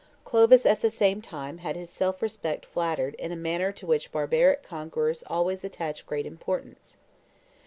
Clovis at the same time had his self respect flattered in a manner to which barbaric conquerors always attach great importance.